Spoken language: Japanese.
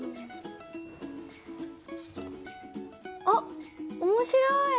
あっ面白い！